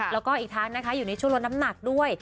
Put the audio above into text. แล้วก็อีกทั้งอยู่ในชั่วโรนน้ำหนักด้วย